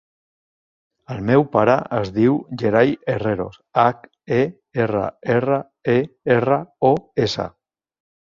El meu pare es diu Yeray Herreros: hac, e, erra, erra, e, erra, o, essa.